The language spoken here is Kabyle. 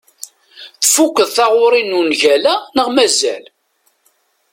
Tfukkeḍ taɣuri n ungal-a neɣ mazal?